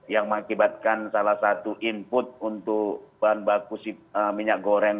yang mengakibatkan salah satu input untuk bahan baku minyak goreng